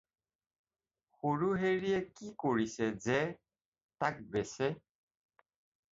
সৰু হেৰিয়ে কি কৰিছে যে, তাক বেচে?